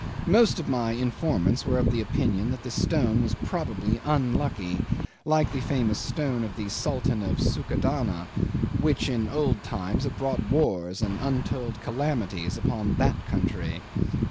Most of my informants were of the opinion that the stone was probably unlucky, like the famous stone of the Sultan of Succadana, which in the old times had brought wars and untold calamities upon that country.